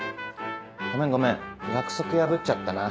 ごめんごめん約束破っちゃったな。